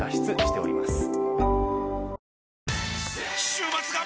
週末が！！